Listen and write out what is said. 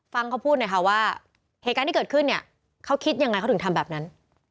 ฟังเขาพูดหน่อยค่ะว่าเหตุการณ์ที่เกิดขึ้นเนี่ยเขาคิดยังไงเขาถึงทำแบบนั้น